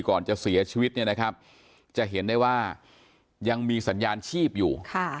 ก่อนจะเสียชีวิตจะเห็นได้ว่ายังมีสัญญาณชีพอยู่